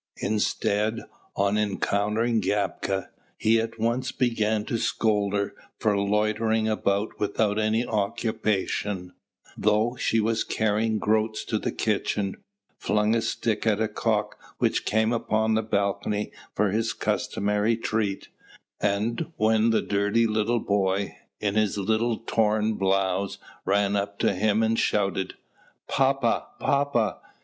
Instead, on encountering Gapka, he at once began to scold her for loitering about without any occupation, though she was carrying groats to the kitchen; flung a stick at a cock which came upon the balcony for his customary treat; and when the dirty little boy, in his little torn blouse, ran up to him and shouted: "Papa, papa!